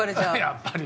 やっぱり！